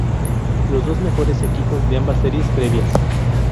Los dos mejores equipos de ambas series previas.